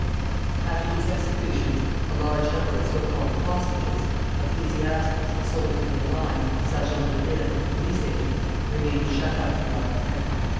After these executions a large number of so called "hostages," ecclesiastics, soldiers of the line, sergents de ville, and police agents remained shut up in La Roquette.